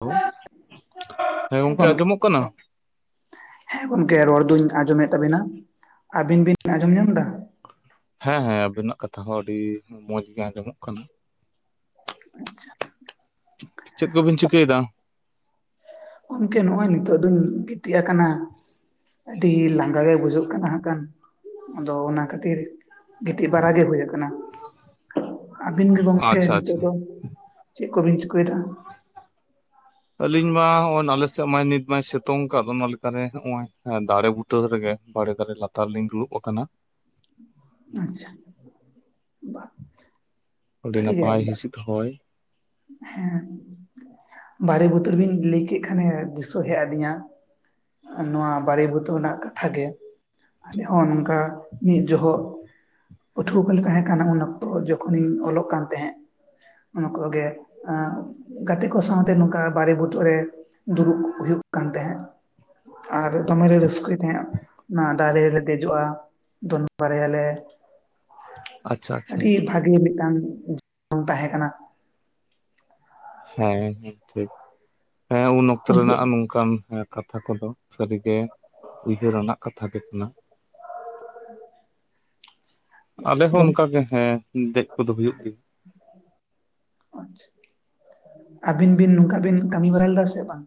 ᱦᱳᱭ ᱦᱮᱸ ᱜᱚᱢᱠᱮ ᱟᱸᱡᱚᱢᱚᱜ ᱠᱟᱱᱟ? ᱦᱮᱸ ᱜᱚᱢᱠᱮ ᱨᱚᱲ ᱫᱩᱧ ᱟᱸᱡᱚᱢᱮᱫ ᱛᱟᱵᱤᱱᱟ ᱟᱵᱤᱱ ᱵᱤᱱ ᱟᱸᱡᱚᱢ ᱧᱟᱢ ᱮᱫᱟ? ᱦᱮᱸ ᱦᱮᱸ ᱟᱵᱤᱱᱟᱜ ᱠᱟᱛᱷᱟ ᱦᱚᱸ ᱟᱹᱰᱤ ᱢᱚᱸᱡᱽ ᱜᱮ ᱟᱸᱡᱚᱢᱚᱜ ᱠᱟᱱᱟ‌᱾ ᱟᱪᱪᱷᱟ᱾ ᱪᱮᱫ ᱠᱚᱵᱤᱱ ᱪᱤᱠᱟᱹᱭ ᱮᱫᱟ? ᱜᱚᱢᱠᱮ ᱱᱚᱜ-ᱚᱭ ᱱᱤᱛᱳᱜ ᱫᱩᱧ ᱜᱤᱛᱤᱡᱽ ᱟᱠᱟᱱᱟ ᱾ ᱟᱹᱰᱤ ᱞᱟᱸᱜᱟ ᱜᱮ ᱵᱩᱡᱟᱹᱜ ᱠᱟᱱᱟ ᱦᱟᱸᱜ ᱠᱟᱱ ᱟᱫᱚ ᱚᱱᱟ ᱠᱷᱟᱹᱛᱤᱨ ᱜᱤᱛᱤᱡᱽ ᱵᱟᱲᱟ ᱜᱮ ᱦᱩᱭ ᱠᱟᱱᱟ ᱾ ᱟᱹᱵᱤᱱ ᱜᱮ ᱜᱚᱢᱠᱮ ᱟᱪᱪᱷᱟ ᱱᱤᱛᱚᱜ ᱟᱪᱪᱷᱟ᱾ ᱫᱚ? ᱪᱮᱫ ᱠᱚᱵᱤᱱ ᱪᱤᱠᱟᱹᱭ ᱮᱫᱟ? ᱟᱹᱞᱤᱧ ᱢᱟ ᱦᱚᱸᱜᱼᱚᱭ ᱱᱟᱞᱮ ᱥᱮᱫ ᱢᱟᱭ ᱱᱤᱛ ᱢᱟᱭ ᱥᱤᱛᱩᱝ ᱟᱠᱟᱫ ᱚᱱᱟ ᱞᱮᱠᱟᱨᱮ ᱦᱚᱸᱜᱼᱚᱭ ᱦᱮᱸ ᱫᱟᱲᱮ ᱵᱩᱴᱟᱹ ᱨᱮᱜᱮ, ᱵᱟᱲᱮ ᱫᱟᱨᱮ ᱞᱟᱛᱟᱨ ᱨᱮ ᱞᱤᱧ ᱫᱩᱲᱩᱵ ᱟᱠᱟᱱᱟ ᱾ ᱟᱪᱪᱷᱟ᱾ ᱟᱹᱰᱤ ᱥᱟᱹᱨᱤᱜᱮ ᱱᱟᱯᱟᱭ ᱦᱤᱥᱤᱫ ᱦᱚᱭ᱾ ᱦᱮᱸ ᱵᱟᱲᱮ ᱵᱩᱴᱟᱹ ᱨᱮᱵᱤᱱ ᱞᱟᱹᱭ ᱠᱮᱫ ᱠᱷᱟᱱᱮ ᱫᱤᱥᱟᱹ ᱦᱮᱡ ᱟᱹᱫᱤᱧᱟ, ᱱᱚᱣᱟ ᱵᱟᱲᱮ ᱵᱩᱛᱟᱹ ᱨᱮᱱᱟᱜ ᱠᱟᱛᱷᱟ ᱜᱮ, ᱟᱞᱮ ᱦᱚᱸ ᱱᱚᱝᱠᱟ ᱢᱤᱫ ᱡᱚᱦᱚᱜ ᱯᱟᱹᱴᱷᱩᱣᱟᱹ ᱠᱚᱞᱮ ᱛᱟᱦᱮᱸ ᱠᱟᱱᱟ ᱩᱱ ᱚᱠᱛᱚ ᱡᱚᱠᱷᱚᱱᱤᱧ ᱚᱞᱚᱜ ᱠᱟᱱ ᱛᱟᱦᱮᱸᱜ, ᱩᱱᱠᱚ ᱜᱮ ᱜᱟᱛᱮ ᱠᱚ ᱥᱟᱶᱛᱮ ᱱᱚᱝᱠᱟ ᱵᱟᱨᱮ ᱵᱩᱴᱟᱹ ᱨᱮ ᱫᱩᱲᱩᱵᱽ ᱦᱩᱭᱩᱜ ᱠᱟᱱ ᱛᱟᱦᱮᱸᱫ ᱾ ᱟᱨ ᱫᱚᱢᱮ ᱨᱟᱹᱥᱠᱟᱹᱭ ᱛᱟᱦᱮᱸᱫ, ᱚᱱᱟ ᱫᱟᱨᱮ ᱨᱮ ᱫᱮᱡᱚᱜᱼᱟ, ᱫᱚᱱ ᱵᱟᱨᱟᱭᱟᱞᱮ ᱾ ᱟᱪᱪᱷᱟ ᱟᱪᱪᱷᱟ ᱟᱹᱰᱤ ᱟᱪᱪᱷᱟ ᱵᱷᱟᱜᱮ ᱢᱤᱫᱴᱟᱝ [inaudible] ᱡᱚᱱ ᱛᱟᱦᱮᱸ ᱠᱟᱱᱟ ᱾ ᱦᱮᱸ ᱦᱮᱸ ᱴᱷᱤᱠ, ᱦᱮᱸ ᱩᱱ ᱚᱠᱛᱚ ᱨᱮᱱᱟᱜ ᱚᱱᱠᱟᱱ ᱠᱟᱛᱷᱟ ᱠᱚᱫᱚ ᱥᱟᱹᱨᱤᱜᱮ ᱩᱭᱦᱟᱹᱨᱟᱱᱟᱜ ᱠᱟᱛᱷᱟ ᱜᱮ ᱠᱟᱱᱟ ᱾ [inaudible] [inaudible] ᱟᱞᱮ ᱦᱚᱸ ᱜᱚᱝᱠᱮ ᱚᱱᱠᱟ ᱜᱮ, ᱦᱮᱸ ᱫᱮᱡ ᱠᱚᱫᱚ ᱦᱩᱭᱩᱜ ᱜᱮᱭᱟ ᱾ [inaudible] ᱟᱹᱵᱤᱱ ᱵᱤᱱ ᱱᱚᱝᱠᱟ ᱵᱤᱱ ᱠᱟᱹᱢᱤ ᱵᱟᱲᱟ ᱞᱮᱫᱟ ᱥᱮ ᱵᱟᱝ?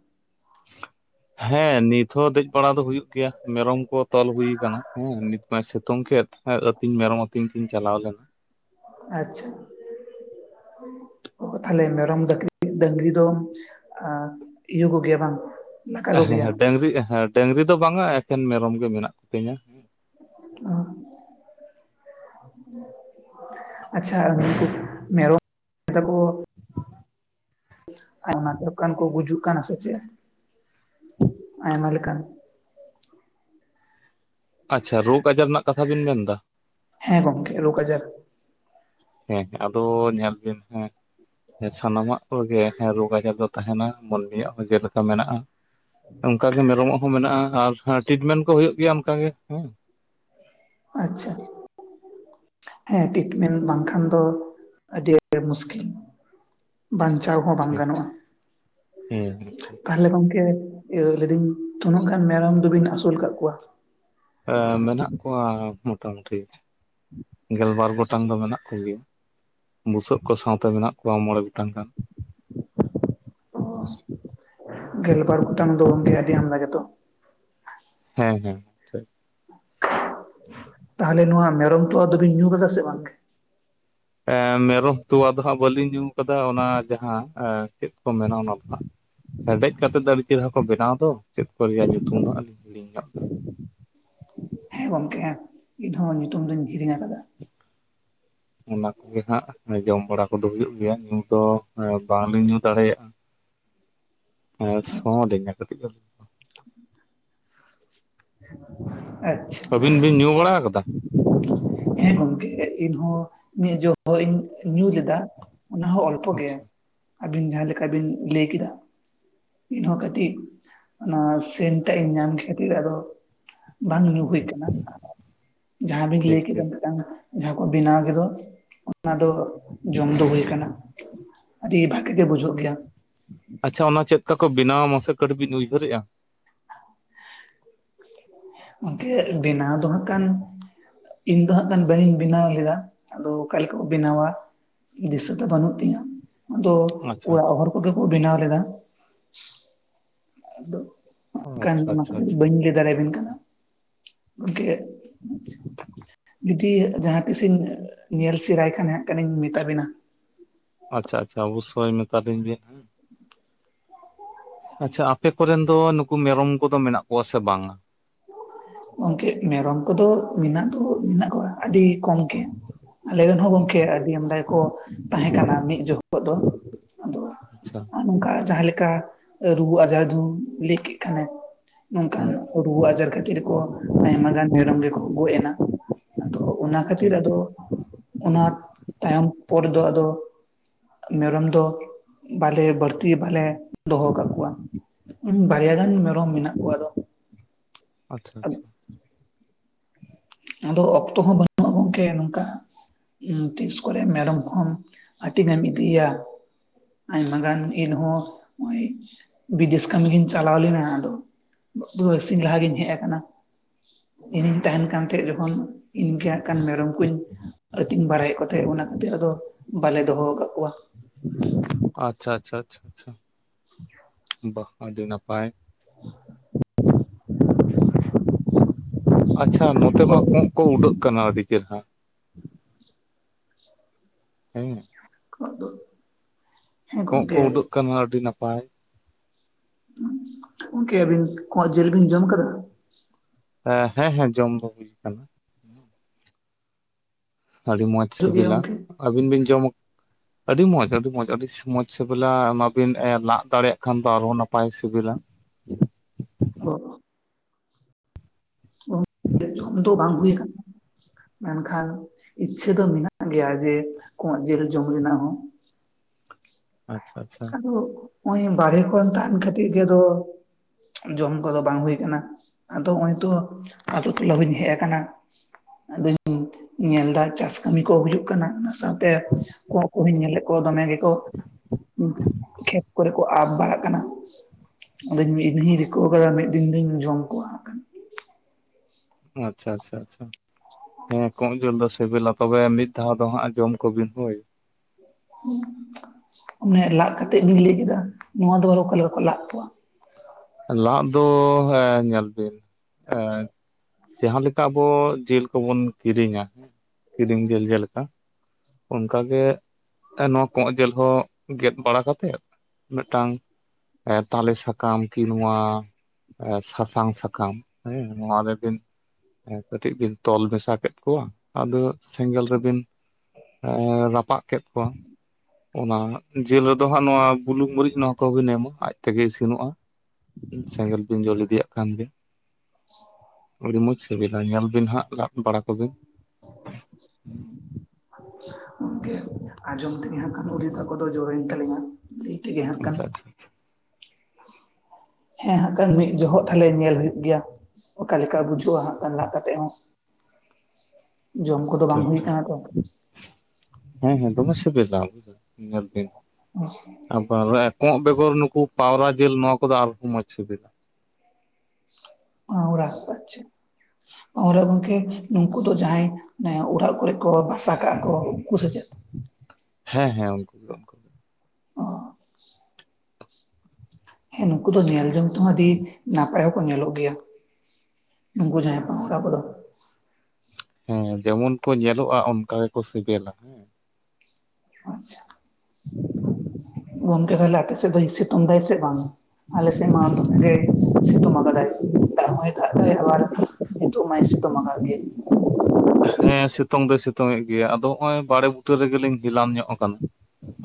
ᱦᱮᱸ ᱱᱤᱛ ᱦᱚᱸ ᱫᱮᱡ ᱵᱟᱲᱟ ᱫᱚ ᱦᱩᱭᱩᱜ ᱜᱮᱭᱟ ᱾ ᱢᱮᱨᱚᱢ ᱠᱚ ᱛᱚᱞ ᱦᱩᱭ ᱠᱟᱱᱟ ᱾ ᱦᱮᱸ ᱱᱤᱛ ᱥᱤᱛᱩᱝ ᱠᱮᱫ ᱦᱮᱸ ᱟᱹᱛᱤᱧ ᱢᱮᱨᱚᱢ ᱟᱹᱛᱤᱧ ᱠᱤᱱ ᱪᱟᱞᱟᱣ ᱞᱮᱱᱟ᱾ ᱟᱪᱪᱷᱟ᱾ [inaudible] ᱚ ᱛᱟᱦᱞᱮ ᱢᱮᱨᱚᱢ ᱰᱟᱝᱨᱤ ᱫᱚᱢ ᱮᱸᱻ ᱤᱭᱟᱹ ᱠᱚᱜᱮᱭᱟ ᱵᱟᱝ? ᱞᱟᱠᱟ ᱦᱮᱸ ᱠᱚᱜᱮᱭᱟ ᱰᱟᱹᱝᱨᱤ ᱦᱮᱸ ᱰᱟᱹᱝᱨᱤ ᱫᱚ ᱵᱟᱝᱟ ᱮᱠᱷᱮᱱ ᱢᱮᱨᱚᱢ ᱜᱮ ᱢᱮᱱᱟᱜ ᱠᱚᱛᱤᱧᱟ ᱾ [inaudible] [inaudible] ᱟᱪᱪᱷᱟ ᱟᱹᱵᱤᱱ [inaudible] ᱢᱮᱨᱚᱢ ᱞᱮᱠᱟ ᱠᱚ ᱟᱭᱢᱟ ᱫᱚᱠᱟᱱ ᱠᱚ ᱜᱩᱡᱩᱜ ᱠᱟᱱᱟ ᱥᱮ ᱪᱮᱫ ᱟᱭᱢᱟ ᱞᱮᱠᱟᱱ, ᱟᱪᱪᱷᱟ ᱨᱳᱜᱽ ᱟᱡᱟᱨ ᱨᱮᱱᱟᱜ ᱠᱟᱛᱷᱟ ᱵᱤᱱ ᱢᱮᱱ ᱮᱫᱟ? ᱦᱮᱸ ᱜᱚᱢᱠᱮ ᱨᱳᱜᱽ ᱟᱡᱟᱨ ᱾ ᱦᱮᱸ ᱟᱫᱚ ᱧᱮᱞ ᱵᱤᱱ ᱦᱮᱸ, ᱦᱮᱸ ᱥᱟᱱᱟᱢᱟᱜ ᱠᱚᱜᱮ ᱦᱮᱸ ᱨᱳᱜᱽ ᱟᱡᱟᱨ ᱫᱚ ᱛᱟᱦᱮᱸᱱᱟ ᱾ ᱢᱟᱹᱱᱢᱤᱭᱟᱜ ᱦᱚᱸ ᱡᱮᱞᱮᱠᱟ ᱢᱮᱱᱟᱜᱼᱟ, ᱚᱱᱠᱟᱜᱮ ᱢᱮᱨᱚᱢᱟᱜ ᱦᱚᱸ ᱢᱮᱱᱟᱜᱼᱟ, ᱟᱨ ᱴᱤᱴᱢᱮᱱ ᱠᱚ ᱦᱳᱭᱳᱜ ᱜᱮᱭᱟ ᱚᱱᱠᱟᱜᱮ ᱦᱮᱸ ᱾ ᱟᱪᱪᱷᱟ᱾ ᱦᱮᱸ ᱴᱤᱴᱢᱮᱱ ᱵᱟᱝᱠᱷᱟᱱ ᱫᱚ ᱟᱹᱰᱤ -ᱟᱹᱰᱤ ᱢᱩᱥᱠᱤᱞ ᱵᱟᱧᱪᱟᱣ ᱦᱚᱸ ᱵᱟᱝ ᱴᱷᱤᱠ ᱜᱟᱱᱚᱜᱼᱟ ᱦᱮᱸ ᱴᱷᱤᱠ ᱾ ᱛᱟᱦᱚᱞᱮ ᱜᱚᱢᱠᱮ ᱤᱭᱟᱹ ᱞᱟᱹᱭ ᱫᱤᱧ ᱛᱚᱱᱟᱹᱜ ᱜᱟᱱ ᱢᱮᱨᱚᱢ ᱫᱚᱵᱤᱱ ᱟᱹᱥᱩᱞ ᱟᱠᱟᱜ ᱠᱚᱣᱟ? ᱮᱻ ᱢᱮᱱᱟᱜ ᱠᱚᱣᱟ ᱢᱚᱴᱟ ᱢᱩᱴᱤ, ᱜᱮᱞᱵᱟᱨ ᱜᱚᱴᱟᱝ ᱫᱚ ᱢᱮᱱᱟᱜ ᱠᱚᱜᱮᱭᱟ ᱾ ᱵᱩᱥᱟᱹᱜ ᱠᱚ ᱥᱟᱶᱛᱮ ᱢᱮᱱᱟᱜ ᱠᱚᱣᱟ ᱢᱚᱬᱮ ᱜᱚᱴᱟᱝ ᱜᱟᱱ ᱾ [inaudible] ᱜᱮᱞᱵᱟᱨ ᱜᱚᱴᱟᱝ ᱫᱚ ᱜᱚᱢᱠᱮ ᱟᱹᱰᱤ ᱟᱢᱫᱟ ᱜᱮ ᱫᱚ ᱾ ᱦᱮᱸ [unintelligible] [inaudible] ᱛᱟᱦᱚᱞᱮ ᱱᱚᱣᱟ ᱢᱮᱨᱚᱢ ᱛᱚᱣᱟ ᱫᱚᱵᱤᱱ ᱧᱩ ᱠᱟᱫᱟ ᱥᱮ ᱵᱟᱝ ᱜᱮ? ᱮᱸᱻ ᱢᱮᱨᱚᱢ ᱛᱚᱣᱟ ᱫᱚ ᱦᱟᱸᱜ ᱵᱟᱹᱞᱤᱧ ᱧᱩ ᱠᱟᱫᱟ ᱾ ᱚᱱᱟ ᱡᱟᱦᱟᱸ ᱮᱸᱻ ᱪᱮᱫ ᱠᱚ ᱢᱮᱱᱟ ᱚᱱᱟ ᱫᱚ ᱦᱟᱸᱜ, ᱦᱮᱰᱮᱡ ᱠᱟᱛᱮ ᱫᱚ ᱟᱹᱰᱤ ᱪᱮᱦᱨᱟ ᱠᱚ ᱵᱮᱱᱟᱣ ᱫᱚ ᱪᱮᱫ ᱠᱚ ᱨᱮᱭᱟᱜ ᱧᱩᱛᱩᱢ ᱫᱚ ᱟᱹᱞᱤᱧ ᱞᱤᱝᱠ ᱟᱜ ᱫᱟ [inaudible] ᱦᱮᱸ ᱜᱚᱢᱠᱮ ᱤᱧᱦᱚᱸ ᱧᱩᱛᱩᱢ ᱫᱚᱧ ᱦᱤᱲᱤᱧ ᱟᱠᱟᱫᱟ ᱾ [inaudible] ᱚᱱᱟ ᱠᱚᱜᱮ ᱦᱟᱸᱜ ᱡᱚᱢ ᱵᱟᱲᱟ ᱠᱚᱫᱚ ᱦᱩᱭᱩᱜ ᱜᱮᱭᱟ, ᱧᱩ ᱫᱚ ᱵᱟᱝ ᱞᱤᱧ ᱧᱩ ᱫᱟᱲᱮᱭᱟᱜᱼᱟ᱾ [inaudible] ᱦᱮᱸ ᱥᱚ ᱟᱪᱪᱷᱟ ᱞᱤᱧᱟ ᱠᱟᱴᱤᱡ ᱫᱚ, [inaudible] ᱟᱪᱪᱷᱟ᱾ ᱟᱹᱵᱤᱱ ᱵᱤᱱ ᱧᱩ ᱵᱟᱲᱟ ᱟᱠᱟᱫᱟ ᱦᱮᱸ ᱜᱚᱝᱠᱮ ᱤᱧᱦᱚᱸ ᱢᱤᱫ ᱡᱚᱠᱷᱚᱡ ᱤᱧ ᱧᱩ ᱞᱮᱫᱟ᱾ ᱚᱱᱟ ᱦᱚᱸ ᱚᱞᱯᱚ ᱜᱮ ᱟᱪᱪᱷᱟ ᱟᱹᱵᱤᱱ ᱡᱟᱦᱟᱸ ᱞᱮᱠᱟ ᱵᱤᱱ ᱞᱟᱹᱭ ᱠᱮᱫᱟ᱾ ᱤᱧ ᱦᱚᱸ ᱠᱟᱹᱴᱤᱜ ᱚᱱᱟ ᱥᱮᱱᱴ ᱴᱟᱜ ᱤᱧ ᱧᱟᱢ ᱠᱷᱮᱛᱤᱨ ᱟᱫᱚ ᱵᱟᱝ ᱧᱩ ᱦᱩᱭ ᱠᱟᱱᱟ ᱡᱟᱦᱟᱸ ᱵᱤᱱ ᱴᱷᱤᱠ ᱞᱟᱹᱭ ᱠᱮᱫᱟ ᱴᱷᱤᱠ ᱢᱤᱫᱴᱟᱱ ᱡᱟᱦᱟᱸ ᱠᱚ ᱵᱮᱱᱟᱣ ᱜᱮᱫᱚ ᱚᱱᱟ ᱫᱚ ᱡᱚᱢ ᱫᱚ ᱦᱩᱭ ᱟᱠᱟᱱᱟ ᱾ ᱟᱹᱰᱤ ᱵᱷᱟᱹᱜᱤ ᱜᱮ ᱵᱩᱡᱷᱟᱹᱜ ᱜᱮᱭᱟ ᱾ ᱟᱪᱪᱷᱟ ᱚᱱᱟ ᱪᱮᱫᱠᱟ ᱠᱚ ᱵᱮᱱᱟᱣᱟ ᱢᱟᱥᱮ ᱠᱟᱹᱴᱤᱡ ᱵᱤᱱ ᱩᱭᱦᱟᱹᱨᱮᱜᱼᱟ ᱾ ᱜᱚᱢᱠᱮ ᱵᱮᱱᱟᱣ ᱫᱚ ᱦᱟᱸᱜ ᱠᱟᱱ ᱤᱧ ᱫᱚ ᱦᱟᱸᱜ ᱠᱷᱟᱱ ᱵᱟᱹᱧ ᱵᱮᱱᱟᱣ ᱞᱮᱫᱟ ᱟᱫᱚ ᱚᱠᱟ ᱠᱮᱠᱟ ᱠᱚ ᱵᱮᱱᱟᱣᱟ? ᱫᱤᱥᱟᱹ ᱫᱚ ᱵᱚᱱᱩᱜ ᱛᱤᱧᱟ ᱾ ᱟᱫᱚ ᱟᱪᱪᱷᱟ ᱟᱪᱪᱷᱟ ᱚᱲᱟᱜ ᱦᱚᱲ ᱠᱚᱜᱮ ᱠᱚ ᱵᱮᱱᱟᱣ ᱞᱮᱫᱟ, ᱟᱫᱚ ᱟᱪᱪᱷᱟ [unintelligible] ᱟᱪᱪᱷᱟ ᱵᱟᱹᱧ ᱞᱟ‍ᱹᱭ ᱫᱟᱲᱮᱭᱟ ᱵᱮᱱ ᱠᱟᱱᱟ ᱜᱚᱝᱠᱮ ᱡᱩᱫᱤ ᱡᱟᱦᱟᱸ ᱛᱤᱥᱤᱧ ᱧᱮᱞ ᱥᱮᱨᱟᱭ ᱠᱷᱟᱱ ᱦᱟᱸᱜ ᱠᱷᱟᱱ ᱤᱧ ᱢᱮᱛᱟ ᱵᱤᱱᱟ᱾ ᱟᱪᱪᱷᱟ ᱟᱪᱪᱷᱟ ᱚᱵᱚᱥᱥᱳᱭ ᱢᱮᱛᱟ ᱞᱤᱧ ᱵᱤᱱ ᱦᱮᱸ᱾ ᱟᱪᱪᱷᱟ ᱟᱯᱮ ᱠᱚᱨᱮᱱ ᱫᱚ ᱱᱩᱠᱩ ᱢᱮᱨᱚᱢ ᱠᱚᱫᱚ ᱢᱮᱱᱟᱜ ᱠᱚᱣᱟ ᱥᱮ ᱵᱟᱝᱟ? ᱜᱚᱝᱠᱮ ᱢᱮᱨᱚᱢ ᱠᱚᱫᱚ ᱢᱮᱱᱟᱜ ᱫᱚ ᱢᱮᱱᱟᱜ ᱠᱚᱣᱟ ᱟᱹᱰᱤ ᱠᱚᱢ ᱜᱮ ᱾ ᱟᱞᱮ ᱨᱮᱱ ᱦᱚᱸ ᱜᱚᱝᱠᱮ ᱟᱪᱪᱷᱟ ᱟᱹᱰᱤ ᱟᱢᱫᱟ ᱜᱮᱠᱚ ᱛᱟᱦᱮᱸ ᱠᱟᱱᱟ ᱢᱤᱫ ᱡᱚᱠᱷᱚᱡ ᱫᱚ ᱟᱫᱚ ᱟᱪᱪᱷᱟ ᱾ ᱚᱱᱠᱟ ᱡᱟᱦᱟᱸ ᱞᱮᱠᱟ ᱨᱩᱣᱟᱹ ᱟᱡᱟᱨ ᱫᱚ ᱞᱟᱹᱭ ᱠᱮᱫ ᱠᱷᱟᱱᱮᱢ ᱱᱚᱝᱠᱟᱱ ᱦᱩᱸ ᱟᱡᱟᱨ ᱠᱷᱟᱹᱛᱤᱨ ᱠᱚ ᱟᱭᱢᱟᱜᱟᱱ ᱢᱮᱨᱚᱢ ᱜᱮᱠᱚ ᱜᱚᱡ ᱮᱱᱟ ᱾ ᱟᱫᱚ ᱚᱱᱟ ᱠᱷᱟᱹᱛᱤᱨ ᱴᱷᱤᱠ ᱟᱫᱚ ᱴᱷᱤᱠ ᱚᱱᱟ ᱛᱟᱭᱚᱢ ᱯᱚᱨ ᱫᱚ ᱟᱫᱚ ᱢᱮᱨᱚᱢ ᱫᱚ ᱵᱟᱞᱮ ᱵᱟᱹᱲᱛᱤ ᱵᱟᱞᱮ ᱫᱚᱦᱚᱠᱟᱫ ᱠᱚᱣᱟ ᱵᱟᱨᱭᱟ ᱜᱟᱱ ᱢᱮᱨᱚᱢ ᱢᱮᱱᱟᱜ ᱠᱚᱣᱟ ᱟᱫᱚ ᱾ ᱟᱪᱪᱷᱟ ᱟᱪᱷᱟ ᱾ [unintelligible] ᱟᱫᱚ ᱚᱠᱛᱚ ᱦᱚᱸ ᱵᱟᱹᱱᱩᱜᱼᱟ, ᱜᱚᱝᱠᱮ ᱱᱚᱝᱠᱟ ᱛᱤᱥ ᱠᱚᱨᱮ ᱢᱮᱨᱚᱢ ᱠᱚᱦᱚᱢ ᱟᱹᱴᱤᱝᱮᱢ ᱤᱫᱤᱭᱟ ᱾ ᱟᱭᱢᱟ ᱜᱟᱱ ᱤᱧᱦᱚᱸ ᱱᱚᱜ-ᱚᱭ ᱵᱤᱫᱮᱥ ᱠᱟᱹᱢᱤ ᱜᱤᱧ ᱪᱟᱞᱟᱣ ᱞᱮᱱᱟ, ᱟᱫᱚ ᱵᱟᱨ ᱥᱤᱧ ᱞᱟᱦᱟ ᱜᱤᱧ ᱦᱮᱡ ᱟᱠᱟᱱᱟ ᱤᱧᱤᱧ ᱛᱟᱦᱮᱱ ᱠᱟᱱ ᱛᱮᱜ ᱡᱚᱠᱷᱚᱱ ᱤᱧ ᱜᱮ ᱦᱟᱸᱜ ᱠᱷᱟᱱ ᱢᱮᱨᱚᱢ ᱠᱚᱧ ᱟᱹᱛᱤᱧ ᱵᱟᱲᱟᱭᱮᱫ ᱠᱚ ᱛᱟᱦᱮᱸᱫ ᱚᱱᱟ ᱠᱷᱟᱹᱛᱤᱨ ᱟᱫᱚ ᱵᱟᱞᱮ ᱫᱚᱦᱚ ᱟᱠᱟᱫ ᱠᱚᱣᱟ ᱾ ᱟᱪᱪᱷᱟ ᱟᱪᱪᱷᱟ ᱟᱪᱪᱷᱟ ᱟᱪᱪᱷᱟ᱾ [unintelligible] ᱵᱟᱦ ᱟᱹᱰᱤ ᱱᱟᱯᱟᱭ [unintelligible] ᱟᱪᱪᱷᱟ ᱱᱚᱛᱮ ᱢᱟ ᱠᱚᱸᱜ ᱠᱚ ᱩᱰᱟᱹᱜ ᱠᱟᱱᱟ ᱟᱹᱰᱤ ᱪᱮᱨᱦᱟ᱾ ᱦᱩᱸ ᱾ ᱠᱚᱸᱜ ᱫᱚ ᱠᱚᱸᱜ ᱠᱚ ᱩᱰᱟᱹᱜ ᱠᱟᱱᱟ ᱟᱹᱰᱤ ᱱᱟᱯᱟᱭ᱾ ᱜᱚᱢᱠᱮ ᱟᱹᱵᱤᱱ ᱠᱚᱸᱜ ᱡᱤᱞ ᱵᱤᱱ ᱡᱚᱢ ᱟᱠᱟᱫᱟ? ᱦᱮᱸ ᱦᱮᱸ ᱡᱚᱢ ᱫᱚ ᱦᱩᱭ ᱟᱠᱟᱱᱟ ᱾ ᱟᱹᱰᱤ ᱢᱚᱸᱡᱽ ᱦᱤᱡᱩᱜ ᱜᱮᱭᱟ ᱥᱤᱵᱤᱞᱟ ᱜᱚᱝᱠᱮ ᱟᱹᱵᱤᱱ ᱵᱤᱱ ᱡᱚᱢ ᱟᱹᱰᱤ ᱢᱚᱡᱽ, ᱟᱹᱰᱤ ᱢᱚᱡᱽ, ᱟᱹᱰᱤ ᱢᱚᱡᱽ, ᱥᱤᱵᱤᱞᱟ ᱚᱱᱟᱵᱤᱱ ᱞᱟᱜᱽ ᱫᱟᱲᱮᱭᱟᱜ ᱠᱷᱟᱱ ᱫᱚ ᱟᱨᱦᱚᱸ ᱱᱟᱯᱟᱭ ᱥᱤᱵᱤᱞᱟ ᱾ [unintelligible] ᱡᱚᱢ ᱫᱚ ᱵᱟᱝ ᱦᱩᱭ ᱟᱠᱟᱱᱟ᱾ ᱢᱮᱱᱠᱷᱟᱱ ᱤᱪᱪᱷᱟᱹ ᱫᱚ ᱢᱮᱱᱟᱜ ᱜᱮᱭᱟ ᱡᱮ ᱠᱚᱸᱜ ᱡᱮᱞ ᱡᱚᱢ ᱨᱮᱱᱟᱜ ᱦᱚᱸ᱾ ᱟᱪᱪᱷᱟ ᱟᱪᱪᱷᱟ᱾ ᱟᱫᱚ ᱦᱚᱜᱼᱚᱭ ᱵᱟᱨᱦᱮ ᱠᱚᱨᱮ ᱛᱟᱦᱮᱱ ᱠᱷᱟᱛᱤᱨ ᱜᱮ ᱟᱫᱚ ᱡᱚᱢ ᱠᱚᱫᱚ ᱵᱟᱝ ᱦᱩᱭ ᱠᱟᱱᱟ᱾ ᱟᱫᱚ ᱦᱚᱸᱜ-ᱚᱭ ᱛᱚ ᱟᱛᱩ ᱴᱚᱞᱟ ᱦᱩᱧ ᱦᱮᱡ ᱟᱠᱟᱱᱟ᱾ ᱟᱫᱚᱧ ᱧᱮᱞ ᱮᱫᱟ ᱪᱟᱥ ᱠᱟᱹᱢᱤ ᱠᱚ ᱦᱩᱭᱩᱜ ᱠᱟᱱᱟ ᱚᱱᱟ ᱥᱟᱶᱛᱮ ᱠᱚᱸᱜ ᱠᱚᱦᱚᱧ ᱧᱮᱞᱮᱫ ᱠᱚᱣᱟ ᱫᱚᱢᱮ ᱜᱮᱠᱚ ᱠᱷᱮᱛ ᱠᱚᱨᱮ ᱠᱚ ᱟᱵᱽ ᱵᱟᱲᱟᱜ ᱠᱟᱱᱟ᱾ ᱟᱫᱚᱧ ᱤᱧ ᱦᱤᱧ ᱨᱤᱠᱟᱹᱣ ᱟᱠᱟᱫᱟ ᱢᱤᱫ ᱫᱤᱱ ᱫᱚᱧ ᱡᱚᱢ ᱠᱚᱣᱟ ᱦᱟᱜ᱾ ᱟᱪᱪᱷᱟ ᱟᱪᱪᱷᱟ ᱟᱪᱪᱷᱟ᱾ ᱦᱮᱸ ᱠᱚᱸᱜ ᱡᱤᱞ ᱫᱚ ᱥᱤᱵᱤᱞᱟ, ᱛᱚᱵᱮ ᱢᱤᱫ ᱫᱷᱟᱣ ᱫᱚ ᱦᱟᱸᱜ ᱡᱚᱢ ᱠᱚᱵᱤᱱ ᱦᱳᱭ᱾ ᱦᱩᱸ ᱚᱱᱮ ᱞᱟᱫ ᱠᱟᱛᱮᱜ ᱵᱤᱧ ᱞᱟᱹᱭ ᱠᱮᱫᱟ, ᱱᱚᱣᱟ ᱫᱚ ᱟᱨᱚ ᱚᱠᱟ ᱞᱮᱠᱟ ᱠᱚ ᱞᱟᱫ ᱠᱚᱣᱟ? ᱞᱟᱫ ᱫᱚ ᱦᱮᱸ ᱧᱮᱞ ᱵᱤᱱ ᱮᱸ ᱡᱟᱦᱟᱸ ᱞᱮᱠᱟ ᱟᱵᱚ ᱡᱤᱞ ᱠᱚᱵᱚᱱ ᱠᱤᱨᱤᱧᱟ, ᱠᱤᱨᱤᱧ ᱡᱤᱞ ᱡᱮᱞᱮᱠᱟ ᱚᱱᱠᱟ ᱜᱮ᱾ ᱮ ᱱᱚᱣᱟ ᱠᱚᱸᱜ ᱡᱮᱞ ᱦᱚᱸ ᱜᱮᱫ ᱵᱟᱲᱟ ᱠᱟᱛᱮᱫ ᱢᱤᱫᱴᱟᱝ ᱮᱸ ᱛᱟᱞᱮ ᱥᱟᱠᱟᱢ ᱠᱤ ᱱᱚᱣᱟ ᱮ ᱥᱟᱥᱟᱝ ᱥᱟᱠᱟᱢ ᱦᱮᱸ ᱱᱚᱣᱟ ᱨᱮᱵᱤᱱ ᱟᱨ ᱠᱟᱹᱴᱤᱡ ᱵᱤᱱ ᱛᱚᱞ ᱢᱮᱥᱟ ᱠᱮᱫ ᱠᱚᱣᱟ᱾ ᱟᱫᱚ ᱥᱮᱸᱜᱮᱞ ᱨᱮᱵᱤᱱ ᱮᱸ ᱨᱟᱯᱟᱜ ᱠᱮᱫ ᱠᱚᱣᱟ᱾ ᱚᱱᱟ ᱡᱤᱞ ᱨᱮᱫᱚ ᱦᱟᱸᱜ ᱱᱚᱣᱟ ᱵᱩᱞᱩᱝ ᱢᱟᱹᱨᱤᱪ ᱱᱚᱣᱟ ᱠᱚᱦᱚᱸ ᱵᱤᱱ ᱮᱢᱟ ᱟᱡ ᱛᱮᱜᱮ ᱤᱥᱤᱱᱚᱜᱼᱟ᱾ ᱥᱮᱸᱜᱮᱞ ᱵᱤᱱ ᱡᱳᱞ ᱤᱫᱤᱭᱟᱜ ᱠᱷᱟᱱ ᱜᱮ᱾ ᱟᱹᱰᱤ ᱢᱚᱸᱡᱽ ᱥᱤᱵᱤᱞᱟ ᱧᱮᱞ ᱵᱤᱱ ᱦᱟᱸᱜ ᱞᱟᱫ ᱵᱟᱲᱟ ᱠᱚᱵᱤᱱ᱾ ᱜᱚᱢᱠᱮ ᱟᱸᱡᱚᱢ ᱛᱮᱜᱮ ᱦᱟᱸᱜ ᱠᱷᱟᱱ ᱩᱞᱤᱫᱟᱜ ᱠᱚ ᱫᱚ ᱡᱳᱨᱭᱮᱱ ᱛᱟᱹᱞᱤᱧᱟ᱾ ᱞᱟᱹᱭ ᱛᱮᱜᱮ ᱦᱟᱜ ᱠᱷᱟᱱ᱾ ᱟᱪᱪᱷᱟ ᱟᱪᱪᱷᱟ ᱴᱷᱤᱠ ᱦᱮᱸ ᱦᱟᱸᱜ ᱠᱷᱟᱱ ᱢᱤᱫ ᱡᱚᱦᱚᱜ ᱛᱷᱟᱞᱮ ᱧᱮᱞ ᱦᱳᱭᱳᱜ ᱜᱮᱭᱟ ᱚᱠᱟ ᱞᱮᱠᱟ ᱵᱩᱡᱩᱜᱼᱟ ᱦᱟᱸᱜ ᱠᱷᱟᱱ ᱞᱟᱜ ᱠᱟᱛᱮᱜ ᱦᱚᱸ᱾ ᱡᱚᱢ ᱠᱚᱫᱚ ᱵᱟᱝ ᱴᱷᱤᱠ ᱦᱩᱭ ᱟᱠᱟᱱᱟ ᱛᱚ᱾ ᱦᱮᱸ ᱦᱮᱸ ᱫᱚᱢᱮ ᱥᱤᱵᱤᱞᱟ ᱧᱮᱞ ᱵᱤᱱ᱾ ᱟᱵᱟᱨ ᱮ ᱠᱚᱸᱜ ᱵᱮᱜᱚᱨ ᱱᱩᱠᱩ ᱯᱟᱣᱨᱟ ᱡᱤᱞ ᱱᱚᱣᱟ ᱠᱚᱫᱚ ᱟᱨᱦᱚᱸ ᱢᱚᱡᱽ ᱥᱤᱵᱤᱞᱟ᱾ ᱯᱟᱸᱣᱨᱟ, ᱟᱪᱪᱷᱟ᱾ [inaudible] ᱯᱟᱸᱶᱨᱟ ᱜᱚᱝᱠᱮ ᱱᱩᱠᱩ ᱫᱚ ᱡᱟᱦᱟᱸᱭ ᱚᱱᱮ ᱚᱲᱟᱜ ᱠᱚᱨᱮᱜ ᱠᱚ ᱵᱟᱥᱟ ᱠᱟᱜ-ᱟ ᱠᱚ, ᱩᱱᱠᱩ ᱥᱮ ᱪᱮᱫ? [inaudible] ᱦᱮᱸ ᱦᱮᱸ ᱩᱱᱠᱩ ᱜᱮ ᱩᱱᱠᱩ ᱜᱮ᱾ ᱚ᱾ ᱦᱮᱸ ᱱᱩᱠᱩ ᱫᱚ ᱧᱮᱞ ᱡᱚᱝ ᱛᱮᱦᱚᱸ ᱟᱹᱰᱤ ᱱᱟᱯᱟᱭ ᱦᱚᱸᱠᱚ ᱧᱮᱞᱚᱜ ᱜᱮᱭᱟ᱾ ᱱᱩᱱᱠᱩ ᱡᱟᱦᱟᱸᱭ ᱯᱟᱣᱨᱟ ᱠᱚᱫᱚ ᱦᱮᱸ ᱡᱮᱢᱚᱱ ᱠᱚ ᱧᱮᱞᱚᱜ-ᱟ ᱚᱱᱠᱟ ᱜᱮᱠᱚ ᱥᱤᱵᱤᱞᱟ ᱦᱮᱸ᱾ ᱟᱪᱪᱷᱟ᱾ ᱜᱚᱢᱠᱮ ᱛᱟᱞᱦᱮ ᱟᱯᱮ ᱥᱮᱫ ᱫᱚᱭ ᱥᱤᱛᱩᱧ ᱫᱟᱭ ᱥᱮ ᱵᱟᱝᱟ? ᱟᱞᱮ ᱥᱮᱫ ᱢᱟ ᱫᱚᱢᱮ ᱜᱮᱭ ᱥᱤᱛᱩᱝ ᱟᱠᱟᱫᱟᱭ, ᱫᱟᱜ ᱦᱚᱭ ᱫᱟᱭ ᱮᱫᱟᱭ ᱟᱵᱟᱨ ᱱᱤᱛᱚᱜ ᱢᱟᱭ ᱥᱤᱛᱩᱢ ᱟᱠᱟᱫ ᱜᱮ᱾ ᱦᱮᱸ ᱥᱤᱛᱩᱝ ᱫᱚᱭ ᱥᱤᱛᱩᱝ ᱮᱫ ᱜᱮᱭᱟ᱾ ᱟᱫᱚ ᱦᱚᱜ-ᱚᱸᱭ ᱵᱟᱲᱮ ᱵᱩᱴᱟᱹ ᱨᱮᱜᱮᱞᱤᱧ ᱦᱮᱞᱟᱢ ᱧᱚᱜ ᱟᱠᱟᱱᱟ᱾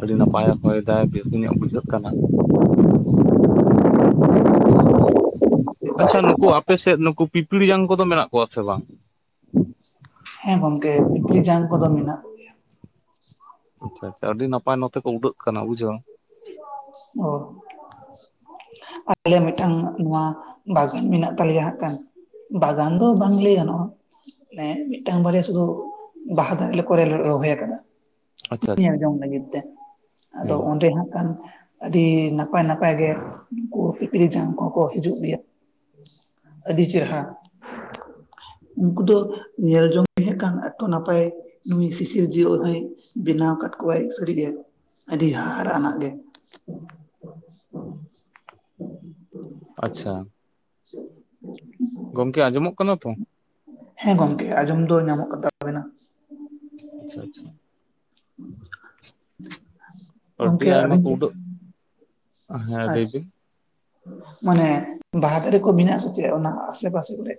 ᱟᱹᱰᱤ ᱱᱟᱯᱟᱭᱮ ᱦᱚᱭ ᱫᱟᱭ, ᱵᱮᱥ ᱧᱚᱜ ᱵᱩᱡᱷᱟᱹᱜ ᱠᱟᱱᱟ᱾ ᱟᱪᱪᱷᱟ ᱱᱩᱠᱩ ᱟᱯᱮ ᱥᱮᱫ ᱱᱩᱠᱩ ᱯᱤᱯᱤᱲᱡᱟᱝ ᱠᱚᱫᱚ ᱢᱮᱱᱟᱜ ᱠᱚᱣᱟ ᱥᱮ ᱵᱟᱝ? ᱦᱮᱸ ᱜᱚᱝᱠᱮ ᱯᱤᱯᱤᱲᱡᱟᱝ ᱠᱚᱫᱚ ᱢᱮᱱᱟᱜ ᱟᱪᱪᱷᱟ ᱟᱪᱪᱷᱟ ᱟᱹᱰᱤ ᱱᱟᱯᱟᱭ ᱱᱚᱛᱮ ᱠᱚ ᱩᱰᱟᱹᱜ ᱠᱟᱱᱟ ᱵᱩᱡᱷᱟᱹᱣ᱾ ᱚ᱾ ᱟᱞᱮ ᱢᱤᱫᱴᱟᱝ ᱱᱚᱣᱟ ᱵᱟᱜᱟᱱ ᱢᱮᱱᱟᱜ ᱛᱟᱞᱮᱭᱟ ᱦᱟᱸᱜ ᱠᱟᱱ᱾ ᱵᱟᱜᱟᱱ ᱫᱚ ᱵᱟᱝ ᱞᱟᱹᱭ ᱜᱟᱱᱚᱜ-ᱟ᱾ ᱢᱟᱱᱮ ᱢᱤᱫᱴᱟᱝ ᱵᱟᱨᱭᱟ ᱥᱩᱫᱷᱩ ᱵᱟᱦᱟ ᱫᱟᱨᱮ ᱞᱮ ᱠᱚᱨᱮᱞᱮ ᱨᱚᱦᱚᱭ ᱟᱠᱟᱫᱟ᱾ ᱟᱪᱪᱷᱟ ᱟᱪᱪᱷᱟ [inaudible] ᱞᱟᱹᱜᱤᱫ ᱛᱮ ᱟᱫᱚ ᱦᱮᱸ ᱚᱸᱰᱮ ᱦᱟᱸᱜ ᱠᱷᱟᱱ ᱟᱹᱰᱤ ᱱᱟᱯᱟᱭ ᱱᱟᱯᱟᱭᱜ ᱜᱮ ᱩᱱᱠᱩ ᱯᱤᱯᱤᱲᱤ ᱡᱟᱝ ᱠᱚᱦᱚᱸ ᱠᱚ ᱦᱤᱡᱩᱜ ᱜᱮᱭᱟ᱾ ᱟᱹᱰᱤ ᱪᱮᱨᱦᱟ᱾ ᱩᱱᱠᱩ ᱫᱚ ᱧᱮᱞ ᱡᱚᱝ ᱦᱮᱡ ᱦᱟᱸᱠᱷᱟᱡ ᱮᱛᱚ ᱱᱟᱯᱟᱭ ᱱᱩᱭ ᱥᱤᱥᱤᱨᱡᱟᱹᱭᱤᱡ ᱦᱚᱸᱭ ᱵᱮᱱᱟᱣ ᱟᱠᱟᱫ ᱠᱚᱣᱟᱭ ᱥᱟᱹᱨᱤ ᱜᱮ, ᱟᱹᱰᱤ ᱦᱟᱦᱟᱲᱟ ᱱᱟᱜ ᱜᱮ᱾ ᱟᱪᱪᱷᱟ᱾ [inaudible] ᱜᱚᱢᱠᱮ ᱟᱸᱡᱚᱢᱚᱜ ᱠᱟᱱᱟ ᱛᱚ? ᱦᱮᱸ ᱜᱚᱢᱠᱮ ᱟᱸᱡᱚᱢ ᱫᱚ ᱧᱟᱢᱚᱜ ᱠᱟᱫᱟ᱾ ᱟᱪᱪᱷᱟ ᱟᱪᱪᱷᱟ᱾ [inaudible] ᱟᱹᱰᱤ ᱜᱚᱢᱠᱮ ᱟᱭᱢᱟ ᱟᱹᱵᱤᱱ, ᱠᱚ ᱩᱰᱟᱹᱜ ᱦᱮᱸ ᱞᱟᱹᱭ ᱟᱪᱪᱷᱟ᱾ ᱵᱤᱱ ᱢᱟᱱᱮ ᱵᱟᱦᱟ ᱫᱟᱨᱮ ᱠᱚ ᱢᱮᱱᱟᱜ-ᱟ ᱥᱮᱪᱮᱫ ᱚᱱᱟ ᱟᱥᱮ ᱯᱟᱥᱮ ᱠᱚᱨᱮᱜ?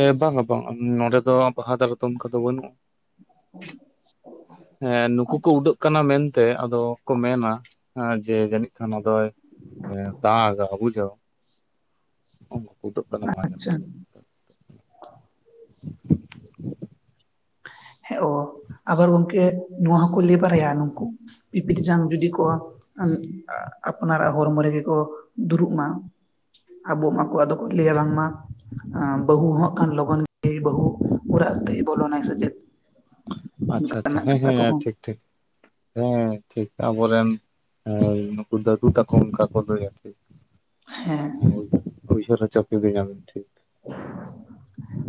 ᱮ ᱵᱟᱝᱟ ᱵᱟᱝ ᱱᱚᱰᱮ ᱫᱚ ᱵᱟᱦᱟ ᱫᱟᱨᱮ ᱫᱚ ᱚᱱᱠᱟ ᱫᱚ ᱵᱟᱱᱩᱜ-ᱟ᱾ [inaudible] ᱦᱮᱸ ᱱᱩᱠᱩ ᱠᱚ ᱟᱪᱪᱷᱟ ᱩᱰᱟᱹᱜ ᱠᱟᱱᱟ ᱢᱮᱱᱛᱮ ᱟᱫᱚ ᱠᱚ ᱢᱮᱱᱟ ᱡᱮ ᱡᱟᱹᱱᱤᱡ ᱠᱷᱟᱱ ᱟᱫᱚᱭ ᱮ ᱫᱟᱜ-ᱟ ᱵᱩᱡᱷᱟᱹᱣ ᱩᱱᱠᱩ ᱠᱚ ᱩᱰᱟᱹᱜ ᱠᱟᱱᱟ [inaudible] ᱟᱪᱪᱷᱟ ᱦᱮᱸ ᱚ ᱟᱵᱟᱨ ᱜᱚᱝᱠᱮ ᱱᱚᱣᱟ ᱦᱚᱸᱠᱚ ᱞᱟᱹᱭ ᱵᱟᱲᱟᱭᱟ ᱱᱩᱝᱠᱩ ᱯᱤᱯᱲᱡᱟᱝ ᱡᱩᱫᱤ ᱠᱚ ᱟᱯᱱᱟᱨᱟᱜ ᱦᱚᱨᱢᱚ ᱨᱮᱜᱮ ᱠᱚ ᱫᱩᱨᱩᱵ ᱢᱟ᱾ ᱟᱵᱚᱜ ᱢᱟᱠᱚ ᱟᱫᱚ ᱠᱚ ᱞᱟᱹᱭᱟ ᱵᱟᱝᱢᱟ ᱟᱸ ᱵᱟᱹᱦᱩ ᱦᱟᱸᱜ ᱠᱷᱟᱱ ᱞᱚᱜᱚᱱ ᱜᱮ ᱵᱟᱹᱦᱩ ᱯᱩᱨᱟᱜ ᱛᱮᱭ ᱵᱚᱞᱚᱱᱟᱭ ᱥᱮᱪᱮᱫ? ᱟᱪᱪᱷᱟ ᱟᱪᱪᱷᱟ ᱦᱮᱸ ᱦᱮᱸ ᱴᱷᱤᱠ ᱴᱷᱤᱠ ᱦᱮᱸ ᱴᱷᱤᱠ ᱟᱵᱚᱨᱮᱱ ᱮᱸᱭ ᱱᱩᱠᱩ ᱫᱟᱫᱩ ᱛᱟᱠᱚ ᱚᱱᱠᱟ ᱠᱚ ᱞᱟᱹᱭᱟ ᱟᱨᱠᱤ᱾ ᱦᱮᱸ᱾ ᱦᱳᱭ ᱩᱭᱦᱟᱹᱨ ᱦᱚᱪᱚ ᱠᱤᱫᱤ ᱧᱟᱢ ᱴᱷᱤᱠ᱾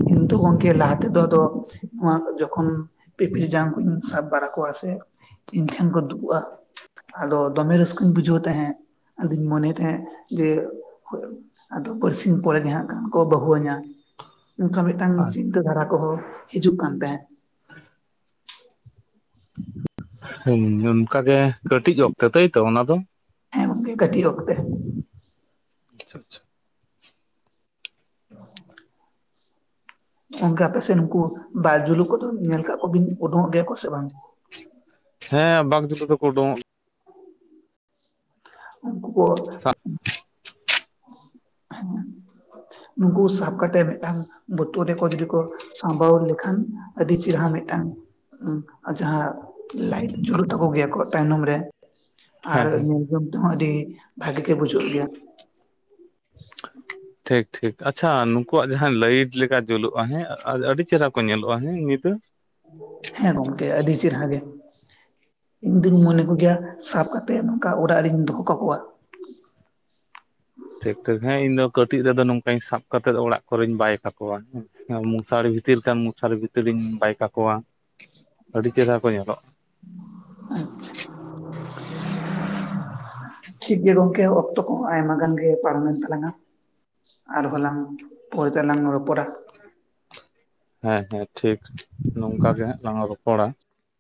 ᱠᱤᱱᱛᱩ ᱜᱚᱝᱠᱮ ᱞᱟᱦᱟ ᱛᱮ ᱫᱚ ᱟᱫᱚ ᱱᱚᱣᱟ ᱠᱚ ᱡᱚᱠᱷᱚᱱ ᱯᱤᱯᱤᱲᱤ ᱡᱟᱝ ᱠᱩᱧ ᱥᱟᱵ ᱵᱟᱲᱟ ᱠᱚᱣᱟ ᱥᱮ ᱤᱧ ᱴᱷᱮᱱ ᱠᱚ ᱫᱩᱲᱩᱵ-ᱟ, ᱟᱫᱚ ᱫᱚᱢᱮ ᱨᱟᱹᱥᱠᱟᱹᱧ ᱵᱩᱡᱷᱟᱹᱣ ᱛᱟᱦᱮᱸᱫ ᱟᱫᱩᱧ ᱢᱚᱱᱮ ᱛᱟᱦᱮᱸᱫ ᱡᱮ ᱦᱳ ᱟᱫᱚ ᱵᱟᱨ ᱥᱤᱧ ᱯᱚᱨᱮᱜᱮ ᱦᱟᱸᱜ ᱠᱷᱟᱱ ᱠᱚ ᱵᱟᱹᱦᱩᱣᱟᱹᱧᱟ ᱚᱱᱠᱟ ᱢᱮᱫᱴᱟᱝ ᱟᱪᱪᱷᱟ ᱪᱤᱱᱛᱟᱹ ᱫᱷᱟᱨᱟ ᱠᱚᱦᱚᱸ ᱦᱤᱡᱩᱜ ᱠᱟᱱ ᱛᱟᱦᱮᱸᱫ᱾ [inaudible] [inaudible] ᱦᱩᱸ ᱚᱱᱠᱟᱜᱮ ᱠᱟᱹᱴᱤᱡ ᱚᱠᱛᱮ ᱛᱟᱹᱭᱛᱚ ᱚᱱᱟ ᱫᱚ? ᱦᱮᱸ ᱜᱚᱝᱠᱮ ᱠᱟᱹᱴᱤᱡ ᱚᱠᱛᱮ᱾ [inaudible] ᱜᱚᱝᱠᱮ ᱟᱯᱮ ᱥᱮᱫ ᱱᱩᱠᱩ ᱵᱟᱜᱡᱩᱞᱩ ᱠᱚᱫᱚ ᱧᱮᱞ ᱠᱟᱜ ᱠᱚᱵᱤᱱ ᱚᱰᱳᱝᱚᱜ ᱜᱮᱭᱟ ᱠᱚ ᱥᱮ ᱵᱟᱝ? ᱦᱮᱸ ᱵᱟᱠ ᱡᱩᱞᱩ ᱫᱚᱠᱚ ᱚᱰᱳᱝᱚᱜ ᱩᱱᱠᱩ ᱠᱚ ᱦᱮᱸ ᱱᱩᱠᱩ ᱥᱟᱵ ᱠᱟᱛᱮ ᱢᱮᱫᱴᱟᱝ ᱵᱳᱛᱳᱞ ᱨᱮᱠᱚ ᱡᱩᱫᱤ ᱠᱚ ᱥᱟᱸᱵᱟᱣ ᱞᱮᱠᱷᱟᱱ ᱟᱹᱰᱤ ᱪᱮᱨᱦᱟ ᱢᱮᱫᱴᱟᱝ ᱟᱨ ᱡᱟᱦᱟᱸ ᱞᱟᱭᱤᱴ ᱡᱩᱞᱩᱜ ᱛᱟᱠᱚ ᱜᱮᱭᱟ ᱟᱠᱚᱣᱟᱜ ᱛᱟᱭᱱᱚᱢ ᱨᱮ ᱟᱨ ᱦᱮᱸ ᱧᱮᱞᱡᱚᱝ ᱛᱮᱦᱚᱸ ᱟᱹᱰᱤ ᱵᱷᱟᱜᱮ ᱜᱮ ᱵᱩᱡᱷᱟᱹᱜ ᱜᱮᱭᱟ ᱾ ᱴᱷᱤᱠ ᱴᱷᱤᱠ ᱟᱪᱪᱷᱟ ᱱᱩᱠᱩᱣᱟᱜ ᱡᱟᱦᱟᱸ ᱞᱟᱹᱭᱤᱴ ᱞᱮᱠᱟ ᱡᱩᱞᱩᱜᱼᱟ ᱦᱮᱸ ᱟᱹ-ᱟᱹᱰᱤ ᱪᱮᱦᱨᱟ ᱠᱚ ᱧᱮᱞᱚᱜᱼᱟ ᱦᱮᱸ ᱧᱤᱫᱟᱹ ᱾ ᱦᱮᱸ ᱜᱚᱢᱠᱮ ᱟᱹᱰᱤ ᱟᱹᱰᱤ ᱪᱤᱨᱦᱟ ᱜᱮ ᱾ ᱤᱧ ᱫᱩᱧ ᱢᱚᱱᱮ ᱠᱚᱜᱮᱭᱟ ᱥᱟᱵ ᱠᱟᱛᱮᱫ ᱱᱚᱝᱠᱟ ᱚᱨᱟᱜ ᱨᱤᱧ ᱫᱚᱦᱚ ᱠᱟᱠᱚᱣᱟ ᱾ ᱴᱷᱤᱠ ᱴᱷᱤᱠ, ᱦᱮᱸ ᱤᱧ ᱫᱚ ᱠᱟᱹᱴᱤᱡ ᱨᱮᱫᱚ ᱱᱚᱝᱠᱟᱧ ᱥᱟᱵ ᱠᱟᱛᱮᱜ ᱚᱲᱟᱜ ᱠᱚᱨᱮᱧ ᱵᱟᱭ ᱠᱟᱠᱚᱣᱟ ᱦᱮᱸ ᱾ ᱢᱚᱥᱟᱨᱤ ᱵᱷᱤᱛᱤᱨ ᱠᱷᱟᱱ ᱢᱚᱥᱟᱨᱤ ᱵᱷᱤᱛᱤᱨᱤᱧ ᱵᱟᱭ ᱠᱟᱠᱚᱣᱟ ᱟᱹᱰᱤ ᱪᱮᱦᱨᱟ ᱠᱚ ᱧᱮᱞᱚᱜᱼᱟ ᱾ ᱟᱪᱪᱷᱟ ᱾ ᱴᱷᱤᱠᱜᱮᱭᱟ ᱜᱚᱝᱠᱮ ᱚᱠᱛᱚ ᱠᱚᱦᱚᱸ ᱟᱭᱢᱟ ᱜᱟᱱ ᱜᱮ ᱯᱟᱨᱚᱢᱮᱱ ᱛᱟᱞᱟᱝᱟ ᱾ ᱟᱨ ᱦᱚᱞᱟᱝ ᱯᱚᱨᱮ ᱛᱮᱞᱟᱝ ᱨᱚᱯᱚᱲᱟ ᱾ ᱦᱮᱸ ᱦᱮᱸ ᱴᱷᱤᱠ ᱱᱚᱝᱠᱟ ᱜᱮ ᱦᱟᱸᱜ ᱞᱟᱝ ᱨᱚᱯᱚᱲᱟ ᱾